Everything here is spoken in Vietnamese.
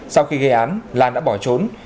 sau khi gây án lan đã bỏ trốn